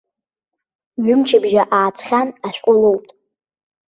Ҩымчыбжьа ааҵхьан ашәҟәы лоут.